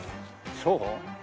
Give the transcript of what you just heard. そう？